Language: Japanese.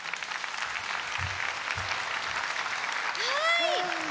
はい！